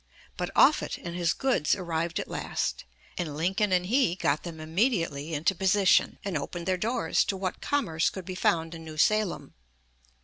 But Offutt and his goods arrived at last, and Lincoln and he got them immediately into position, and opened their doors to what commerce could be found in New Salem.